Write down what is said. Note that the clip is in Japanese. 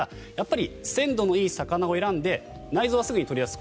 鮮度のいい魚を選んで内臓はすぐに取り出す。